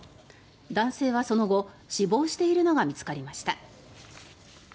男性はその後、死亡しているのが見つかりました。